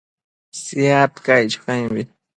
Shiad caic cho caimbi